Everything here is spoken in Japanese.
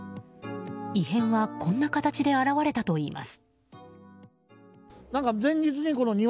異変はこんな形で表れたといいます。